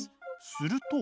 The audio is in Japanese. すると。